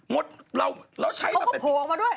มดเราเราใช้ละเป็นพรก็โผล่มาด้วย